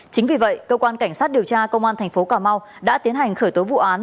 chính vì vậy cơ quan cảnh sát điều tra công an thành phố cà mau đã tiến hành khởi tố vụ án